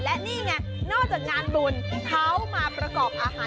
และนี่ไงนอกจากงานบุญเขามาประกอบอาหาร